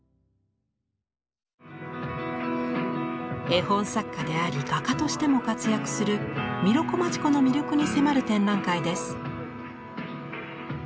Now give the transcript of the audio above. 絵本作家であり画家としても活躍するミロコマチコの魅力に迫る展覧会です。